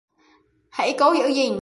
Hãy cố giữ gìn